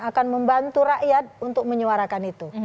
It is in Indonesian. akan membantu rakyat untuk menyuarakan itu